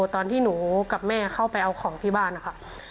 ตอนที่หนูกับแม่เข้าไปเอาของที่บ้านนะคะ